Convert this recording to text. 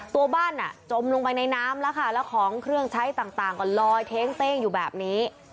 ตัวบ้านจมลงไปในน้ำแล้วค่ะแล้วของเครื่องใช้ต่างก็ลอยเท้งเต้งอยู่แบบนี้